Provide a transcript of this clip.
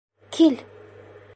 Кил!